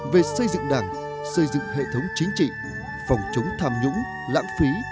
về xây dựng đảng xây dựng hệ thống chính trị phòng chống tham nhũng lãng phí